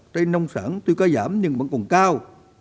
trên nông sản tuy có giảm nhưng vẫn còn cao